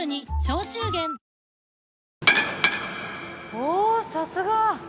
おーさすが！